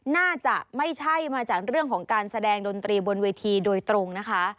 น่าจะไม่ใช่มาจากเรื่องของการแสดงดนตรีบนเวทีโดยตรงนะคะ